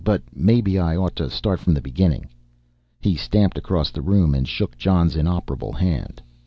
But maybe I ought to start from the beginning." He stamped across the room and shook Jon's inoperable hand.